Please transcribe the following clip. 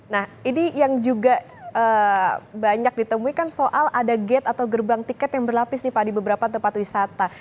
nah ini yang juga banyak ditemui kan soal ada gate atau gerbang tiket yang berlapis nih pak di beberapa tempat wisata